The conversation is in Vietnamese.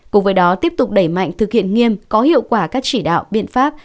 cùng với đó tiếp tục đẩy mạnh thực hiện nghiêm có hiệu quả các chỉ đạo biện pháp